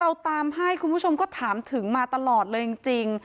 เราตามให้คุณผู้ชมก็ถามถึงมาตลอดเลยจริง